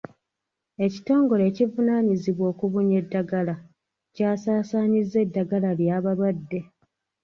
Ekitongole ekivunaanyizibwa okubunya eddagala kyasaasaanyizza eddagala ly'abalwadde.